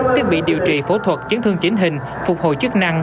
thiết bị điều trị phẫu thuật chấn thương chính hình phục hồi chức năng